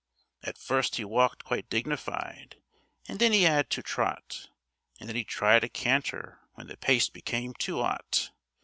At first 'e walked quite dignified, an' then 'e 'ad to trot, And then 'e tried a canter when the pace became too 'ot.